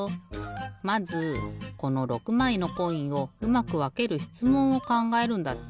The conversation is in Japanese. まずこの６まいのコインをうまくわけるしつもんをかんがえるんだって。